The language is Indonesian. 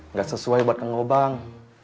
nggak sesuai buat kengobang